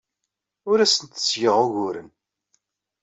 Ur asent-d-ttgeɣ uguren.